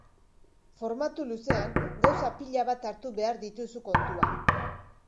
Formatu luzean, gauza pila bat hartu behar dituzu kontuan.